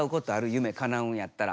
ゆめかなうんやったら。